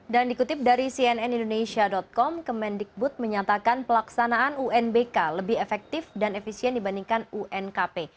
dan dikutip dari cnnindonesia com kemendikbud menyatakan pelaksanaan unbk lebih efektif dan efisien dibandingkan unkp